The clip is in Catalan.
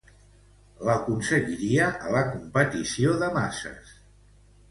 L'aconseguiria a la competició de maces.